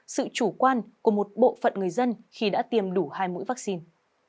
sự chủ quan của một bộ phận người dân khi đã tiêm đủ hai mũi vaccine